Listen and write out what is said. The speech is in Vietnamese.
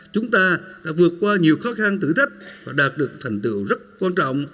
chúng ta đã vượt qua nhiều khó khăn thử thách và đạt được thành tựu rất quan trọng